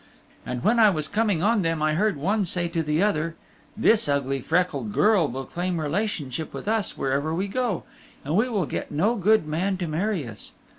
And when I was coming on them I heard one say to the other, "This ugly, freckled girl will claim relationship with us wherever we go, and we will get no good man to marry us."